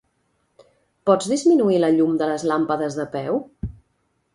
Pots disminuir la llum de les làmpades de peu?